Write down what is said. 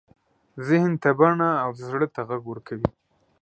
ذهن ته بڼه او زړه ته غږ ورکوي.